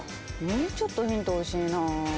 もうちょっとヒント欲しいな。